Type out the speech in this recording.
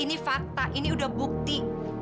ini fakta ini udah bukti